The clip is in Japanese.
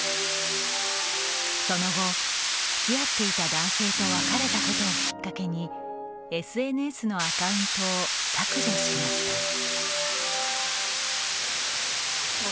その後、つきあっていた男性と別れたことをきっかけにＳＮＳのアカウントを削除しました。